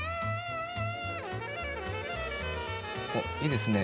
おっいいですね